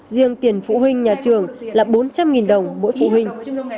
riêng tiền phụ huynh nhà trường là bốn trăm linh đồng mỗi phụ huynh